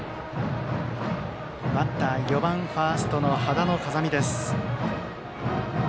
バッター、４番ファーストの羽田野颯未です。